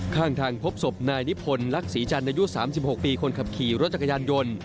ข้างทางพบศพนายนิพนธ์ลักษีจันทร์อายุ๓๖ปีคนขับขี่รถจักรยานยนต์